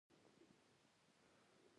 زه غزني ته تلم.